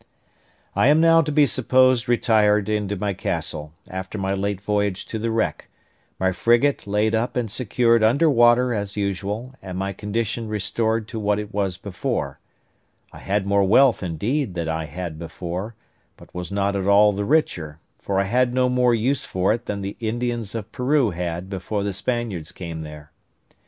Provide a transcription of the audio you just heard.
I am now to be supposed retired into my castle, after my late voyage to the wreck, my frigate laid up and secured under water, as usual, and my condition restored to what it was before: I had more wealth, indeed, than I had before, but was not at all the richer; for I had no more use for it than the Indians of Peru had before the Spaniards came there.